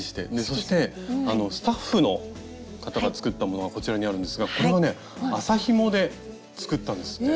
そしてスタッフの方が作ったものがこちらにあるんですがこれはね麻ひもで作ったんですって。